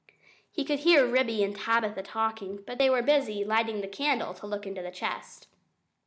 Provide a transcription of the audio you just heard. He could hear Ribby and Tabitha talking, but they were too busy lighting the candle to look into the chest.